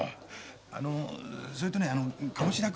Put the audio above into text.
あのそれとねあの鴨志田君？